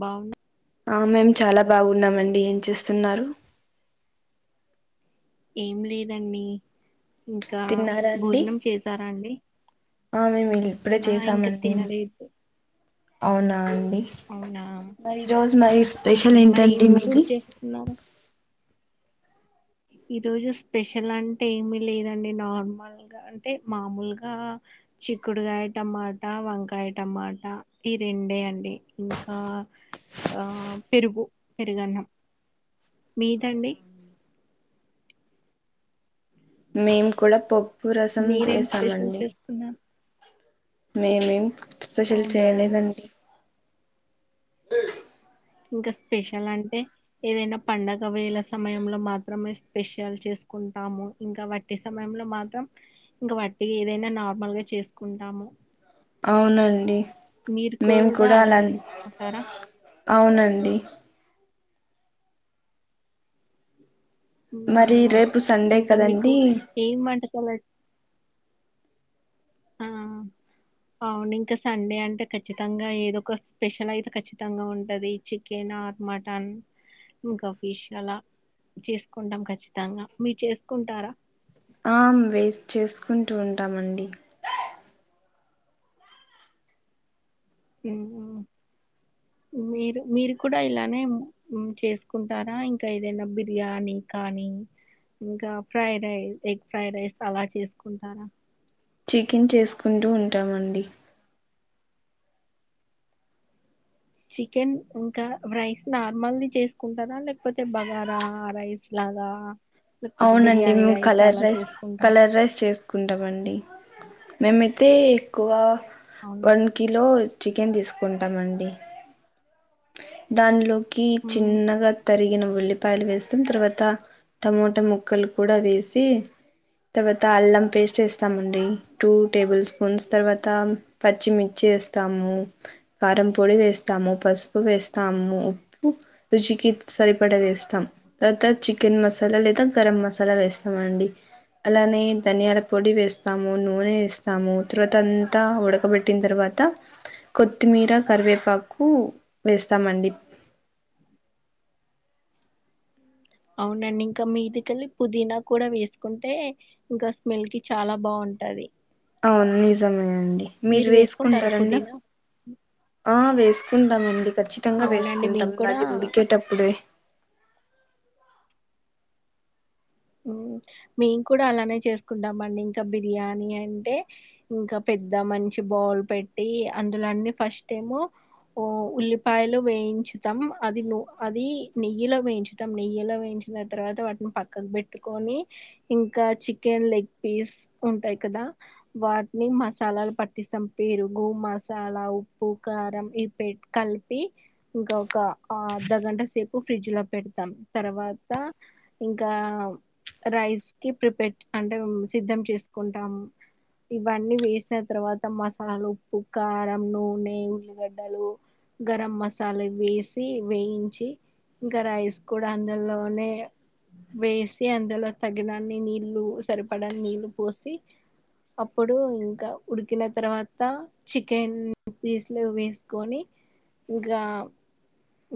బావున్న ఆ మేము చాలా బాగున్నామండి ఏం చేస్తున్నారు ఏం లేదండి ఇంకా తిన్నారా అండి భోజనం చేసారా అండి ఆ మేము ఇప్పుడే ఆ ఇంకా చేసామండి తినలేదు అవునా అవునా మరి ఈ రోజు మరి స్పెషల్ మరి ఏం ఏంటండి మీది ఫుడ్ చేస్తున్నారు ఈ రోజు స్పెషల్ అంటే ఏమి లేదండి నార్మల్ గా అంటే మామూలుగా చిక్కుడుకాయ టమాటా వంకాయ టమాటా ఈ రెండే అండి ఇంకా ఆ పెరుగు పెరుగన్నం మీదండి మేము కూడా పప్పు రసం మీరేం స్పెషల్ చేసామండి చేసుకున్నారు మేమేం స్పెషల్ అవునా చేయలేదండి ఇంకా స్పెషల్ అంటే ఏదైనా పండగ వేల సమయంలో మాత్రమే స్పెషల్ చేసు కుంటాము ఇంకా వట్టి సమయంలో మాత్రం ఇంకా వట్టి ఏదైనా నార్మల్ గా చేసుకుంటాము అవునండి మీరు మేము కూడా అలా అలానే చేసుకుంటారా అవునండి మరి ఉమ్ రేపు సండే ఇంకా మీకు కదండి ఏం వంటకాలు ఆ అవును ఇంకా సండే అంటే ఖచ్చితంగా ఏదో ఒక స్పెషల్ అయితే ఖచ్చితంగా ఉంటది చికెన్ మటన్ ఇంకా ఫిష్ అలా చేసుకుంటాం ఖచ్చితంగా మీరు చేసుకుంటారా కుంటూ ఉంటామండి మ్మ్ మీరు మీరు కూడా ఇలానే చేసుకుంటారా ఇంకా ఏదైనా బిర్యానీ కానీ ఇంకా fry rice egg fry rice అలా చేసుకుంటారా చికెన్ చేసుకుంటూ ఉంటామండి చికెన్ ఇంకా రైస్ నార్మల్ ది చేసుకుంటారా లేకపోతే బగారా రైస్ లా అదా అవునండి మేము కలర్ రైస్ చేసుకుంటారా కలర్ రైస్ చేసుకుంటాండి మేము అయితే ఎక్కువ అవును వన్ కిలో చికెన్ తీసుకుంటామండి దానిలోకి ఉమ్, చిన్నగా తరిగిన ఉల్లిపాయలు వేస్తాం తర్వాత టమోటా ముక్కలు కూడా వేసి తర్వాత అల్లం పేస్ట్ వేస్తామండి టూ టేబుల్ స్పూన్స్ తర్వాత పచ్చిమిర్చి వేస్తాము కారం పొడి వేస్తాము పసుపు వేస్తాము ఉప్పు రుచికి సరిపడా వేస్తాం తర్వాత చికెన్ మసాలా లే స్తము గరం మసాలా వేస్తామండి అలానే ధనియాల పొడి వేస్తాము నూనె వేస్తాము తర్వాత అంతా ఉడకబెట్టిన తర్వాత కొత్తిమీర కరివేపాకు వేస్తామండి అవునండి ఇంకా మీదికెళ్ళి పుదీనా కూడా వేసుకుంటే ఇంకా స్మెల్ కి చాలా బాగుంటంది ఉంటది అవును నిజమే అండి మీరు వేసుకుంటారా వేసుకుంటారండ పుదీనా ఆ వేసుకుంటామండి ఖచ్చితంగా అవునండి వేసుకుంటాం మేము కూడా మళ్ళీ ఉడికేటప్పుడే మేము కూడా అలానే చేసుకుంటామ అండి ఇంకా బిర్యానీ అంటే ఇంకా పె ద్ద మంచి బావుల్ పెట్టి అందులోన్నీ ఫస్ట్ ఏమో ఓ ఉల్లిపాయలు వేయించుతం అది అది నెయ్యిలో వేయించటం నెయ్యిలో వేయి చిన ఆ తర్వాత వాటిని పక్కకు పెట్టి కోని ఇంకా చికెన్ లెగ్ పీస్ ఉంటాయి కదా వాటిని మసాలా పట్టిస్తం పెరుగు మసాలా ఉప్పు కారం ఇ పెట్ కలిపి ఇంకా ఒక అర్ధగంట సేపు ఫ్రిడ్జ్ లో పెడతాం తర్వాత ఇంకా రైస్ కి ప్రిపేర్ అంటే సిద్ధం చేసుకుంటాము ఇవన్నీ వేసిన తర్వాత మసాలు ఉప్పు కారం నూనె ఉల్లిగడ్డలు గరం మసాల ఇవి వేసి వేయించి ఇంక రైస్ కూడ అందులోనే వేస్ అందులో తగినన్ని నీళ్లు సరిపడాని నీళ్లు పోసి అప్పుడు ఇంక ఉడికిన తర్వాత చికెన్ పీస్లు వేసుకొని ఉగ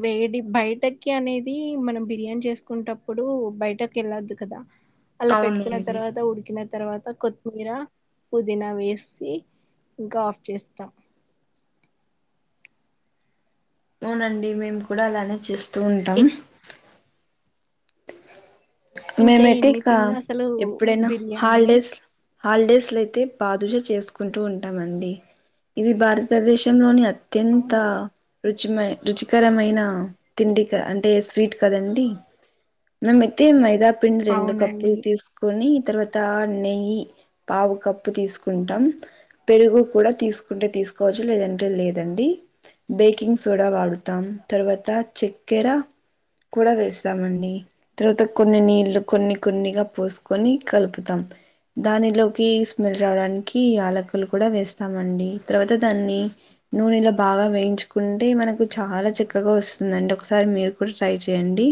వేడి బయటకి అనేది మనం బిర్యానీ చేసుకుంటప్పుడు బయటకి వెళ్ళద్దు కద అలా పెట్టుకున్న అవునండి తర్వాత ఉడికిన తర్వాత కొత్తిమీర పుదీన వేసి ఇంకా ఆఫ్ చేస్తాం అవునండి మేము కూడ అలానే చేస్తూ ఉంటాం ఇ- ఇంకా మేమైతే ఎన్ని ఇక తిన్నా అసలు ఎప్పుడైన బిర్యానీ హాలిడేస్ హాలిడేస్ల అయితే బాదుషా చేసుకుంటూ ఉంటామండి ఇది భారతదేశంలోని అ అత్యంత అవునా రుచిమ రుచికరమైన తిండి అంటే స్వీట్ కదండి మేము అయితే మైద పిండి రెండు అవునండి కప్పులు తీసుకొని తర్వాత నెయ్యి పావు కప్పు తీసుకుంటాం పెరుగు కూడ తీసుకుంటే తీ తీసుకోవచ్చు లేదంటే లేదండి బేకింగ్ సోడ వాడుతాం తర్వాత చెక్కెర కూడ వేస్తామండి తర్వాత కొన్ని నీళ్లు కొన్ని కొన్నిగ పోసుకొని కలుపుతాం దానిలోకి స్మెల్ రావడానికి యలకులు కూడ వేస్తామండి తర్వాత దాన్ని నూనెలో బాగా వేయించుకున్ కుంటే మనకు చాల చక్కగా వస్తుందండి ఒకసారి మీరు కూడ ట్రై చేయండి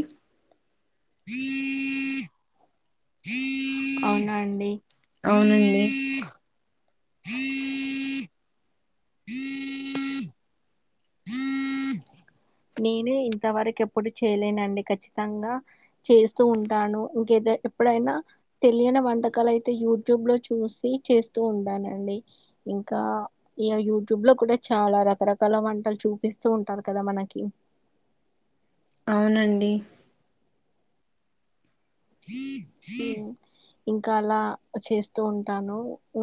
అవునా అండి అవునండి నేను ఇంతవరకు ఎప్పుడు చేయలేనండి ఖచ్చితంగ చేస్తూ ఉంటాను ఇంకే ఎప్పుడైనా తెలియని వంటకాలు అయితే యూట్యూబ్ లో చూసి చేస్తూ ఉంటానండి ఇంకా ఇ యూట్యూబ్ లో కూడ చాల రకరకాల వంటలు చూపిస్తూ ఉంటారు కదా మన క అవునండి ఉ ఇంక అలా చేస్తూ ఉంటాను ఉ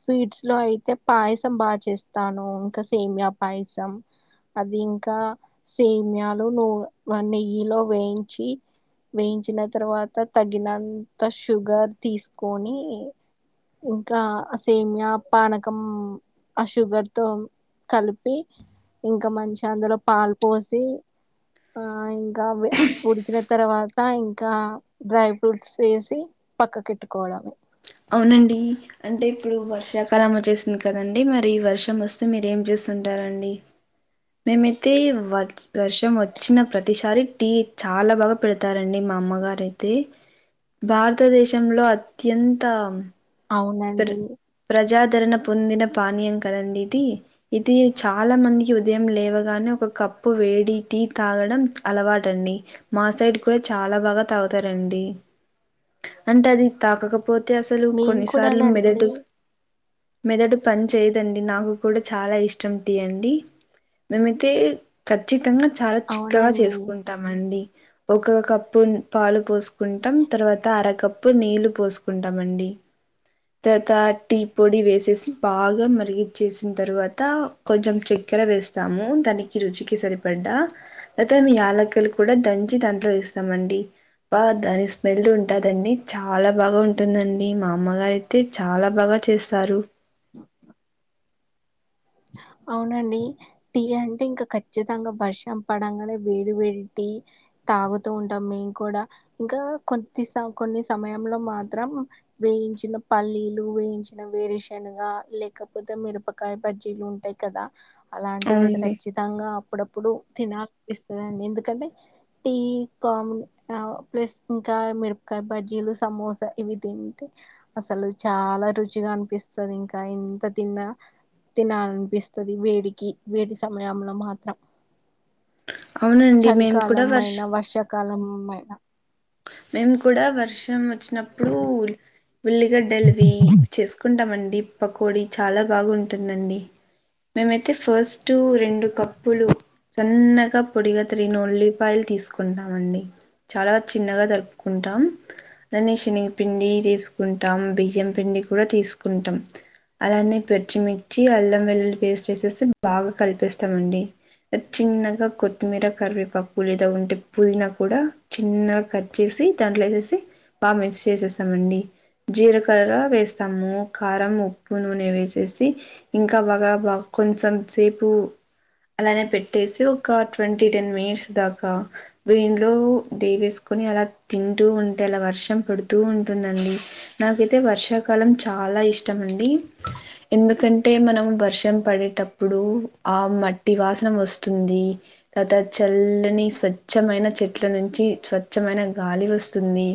స్వీట్స్ లో అయితే పాయసం బాగ చేస్తాను ఇంకా సేమియా పాయసం అది ఇంక సేమ్యాలు నువ్వు నెయ్యిలో వేయించి వేయించిన తర్వాత తగినంత షుగర్ తీసుకొని ఇంకా సేమియా పానకం ఆ షుగర్ తో కలిపి ఇంకా మంచి అందులో పాలు పోసి ఆ ఇంకా ఉడికిన తర్వాత ఇంక ఇంకా డ్రై ఫ్రూట్స్ వేసి పక్కకెట్టుకోవడమే అవునండి అంటే ఇప్పుడు వర్షాకాలం వచ్చేసింది కదండి మరి వర్షం వస్తే మీర ఏం చే స్తుంటారండి మేమైతే వ వర్షం వచ్చిన ప్రతిసారి టీ చాలా బాగ పెడతారండి మా అమ్మగారయితే భారతదేశంలో అత్యంత అవునండి వితరణ పొందిన పానీయం కదండి ఇది, ఇది చాలా మందికి ఉదయం లేవగానే ఒక కప్ ప్పు వేడి టీ తాగడం అలవాటండి మా సైడ్ కూడా చాలా బాగా తాగుతారండి. అంటే అది తాగకపోతే అసలు మేము కొన్నిసార్లు కూడానండి మెదడు మెదడు పని చేయదండి నాకు కూడా చాలా ఇష్టం టీ అండి. మేమైతే ఖచ్చితంగా చాలా చిక్కగా అవునండి చేస్కుంటామండి ఒక కప్పు పాలు పోసుకుంటాం తర్వాత అరకప్పు నీళ్ళు పోసుకుంటామండి. తర్వాత టీ పొడి వేసేసి బాగా మరిగిచ్చేసిన తర్వాత కొంచెం చె కెర వేస్తాము దానికి రుచికి సరిపడ్డా తర్వాత మీ యాలక్కలు కూడా దంచి దాంట్లో వేస్తామండి బ దాని స్మెల్ ఉంటాదండి చాలా బాగా ఉంటుందండి మా అమ్మగా అయితే చాలా బాగా చేస్తారు [inaudible] అవునండి టీ అంటే ఇంకా ఖచ్చితంగా వర్షం పడంగానే వేడి వేడి టీ తాగుతూ ఉంటాం మేము కూడా ఇంకా కొద్ది స కొన్ని సమయంలో మాత్రం వె వేయించిన పల్లీలు వేయించిన వేరుశనగా లేకపోతే మిరపకాయ్ బజ్జీలు ఉంటాయి కదా అలాంటివి అయితే అవునండి ఖచ్చితంగా అప్పుడప్పుడు తిన పిస్తుందండి ఎందుకంటే టీ కమ్ ప్లస్ ఇంకా మిరపకాయ బజ్జీలు సమోసా ఇవి తింటే అసలు చాలా రుచిగా అనిపిస్తది. ఇంకా ఎంత తిన్నా తినాలనిపిస్తుంది వేడికి వేడి సమయంలో మాత్రం అవునండి మేము కూడా చలికాలం వర్ష అయినా వర్షాకాలమైనా మేము కూడా వర్షం వచ్చినప్పుడు ఉల్లిగడ్డలవి చేసుకుంటామండి పకోడి చాలా బాగుంటుందండి. మేమైతే ఫస్టు రెండు కప్పులు సన్నగా పొడిగా తరిగినా ఉల్లిపాయలు తీసుకుంటామండి చాలా చిన్నగా తరుపుకుంటాం అన్ని శనగపిిండి తీసుకుంటాం బియ్యం పిండి కూడా తీసుకుంటా ఉంత్ అలానే పచ్చిమిర్చి అల్లం వెల్లుల్లి పేస్ట్ వేసేసి బాగా కలిపేస్తామండి. చిన్నగా కొత్తిమీర కరివేపాకు లేదా ఉంటే పుదీనా కూడా చిన్నగా క చేసి దాంట్లో యేసేసి బాగా మిక్స్ చేసేస్తామండి జీరకర్ర వేస్తాము కారం ఉప్పు నూనె వేసేసి ఇంకా బాగా బా కొంచెం సేపు అలానే పెట్టేసి ఒక ట్వంటీ టెన్ మినిట్స్ దాకా వేయిన్లో దేవెస్ కొని అలా తింటూ ఉంటే అలా వర్షం పడుతూ ఉంటుందండి నాకైతే వర్షాకాలం చా లా ఇష్టం అండి ఎందుకంటే మనం వర్షం పడేటప్పుడు ఆ మట్ ట్టి వాసన వస్తుంది తర్వతా చల్లని స్వచ్ఛమైన చెట్ల నుంచి స్వ చ్చమైన గాలి వస్తుంది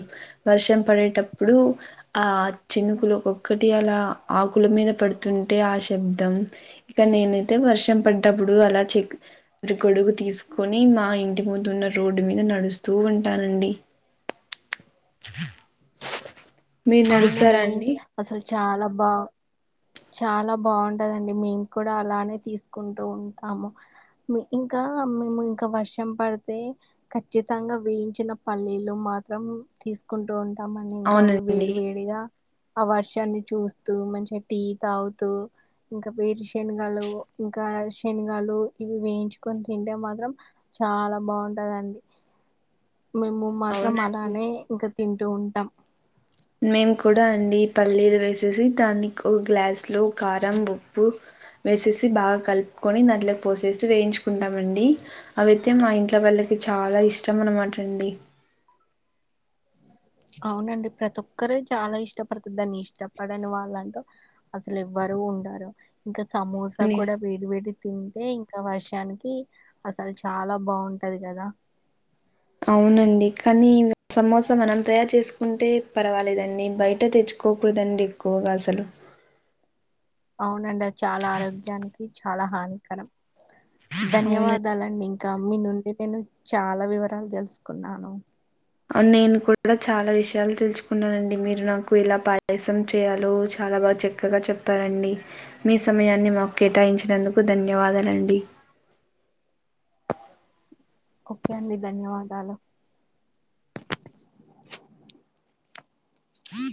వర్షం పడేటప్పుడు ఆ చినుకులు ఒక్కక్ టి అలా ఆకుల మీద పడుతుంటే ఆ శబ్దం ఇక నేనైతే వర్షం పడ్డప్పుడు అలా చెక్ గొడుగు తీసుకొని మా ఇంటి ముందు ఉన్న రోడ్డు మీద నడుస్తూ ఉన్ టానండి మీరు నడుస్తారా అవునండి అండి అసలు చాలా బా చాలా బాగుంటదండి మేము కూడా అలానే తీసుకుంటూ ఉంటాము. మీ ఇంకా మేము ఇంకా వర్షం పడితే ఖచ్చితంగా వేయించిన పల్లీలు మ మాత్రం తీసుకుంటూ ఉంటామని ఇంకా అవునండి వేడి వేడిగా ఆ వర్షాన్ని చూస్తూ మంచిగా టీ తాగుతూ ఇంకా వేరు శనగలు ఇంకా శనగాలు ఇవి వేయించుకొని తింటే మాత్రం చాలా బాగుంటదండి మేము మాత్రం అవునండి అలానే ఇంకా తింటూ ఉంటాం మేము కూడా అండి పల్లీలు వేసేసి దానికి ఒక గ్లాస్ లో కారం ఉప్పు వేసేసి బాగా కలుపుకొని దాంట్లో పోసేసి వేయించుకుంటామండి అవితే మా ఇంట్లో వాల్ నాకు చాలా ఇష్టం అన్నమాట అండి అవునండి ప్రతి ఒక్కర చాలా ఇష్టపడుత దాన్ని ఇష్టపడని వాళ్ళంటూ అసలు ఎవ్వరు రు ఉండారు ఇంకా సమోస కూడా వేడి వేడి తింటే ఇంకా వర్షానికి అసలు చాలా బాగుంటది కదా అవునండి కానీ సమోసా మనం తయారు చేసుకుంటే పర్వాలేదండి బయట తెచ్చు కోకూడదండి ఎక్కువగా అసలు అవునండి అది చాలా ఆరోగ్యానికి చాలా హానికరం అవును ధన్యవాదాలండి ఇం కా మీ నుండి నేను చాలా వివరాలు తెలుసుకున్నాను అవు నేను కూడా చాలా విషయాలు తెలుసుకున్నానండి మీరు నాకు ఎలా పాయసం చేయాలో చాలా చాలా బాగా చక్కగా చెప్పారండి మీ సమయాన్ని మాకు కేటాయించినందుకు ధన్యవాదాలండి ఓకే అండి ధన్యవాదాలు